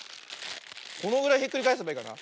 このぐらいひっくりかえせばいいかな。